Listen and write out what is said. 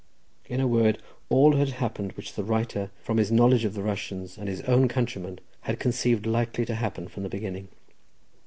In a word, all had happened which the writer, from his knowledge of the Russians and his own countrymen, had conceived likely to happen from the beginning.